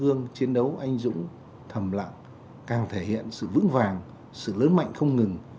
kết quả của cuộc chiến đấu anh dũng thầm lặng càng thể hiện sự vững vàng sự lớn mạnh không ngừng